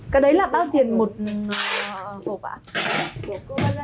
có giá là chín trăm linh đồng cho bốn mươi hai gói dạng bột